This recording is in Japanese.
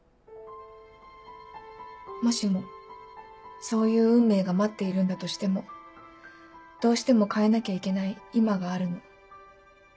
もしもそういう運命が待っているんだとしてもどうしても変えなきゃいけない今があるの。